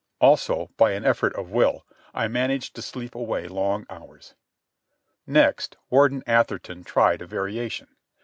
Also, by an effort of will, I managed to sleep away long hours. Next, Warden Atherton tried a variation.